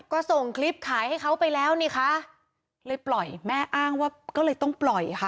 ก็ส่งคลิปขายให้เขาไปแล้วนี่คะเลยปล่อยแม่อ้างว่าก็เลยต้องปล่อยค่ะ